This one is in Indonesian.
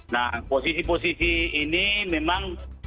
nah posisi posisi ini memang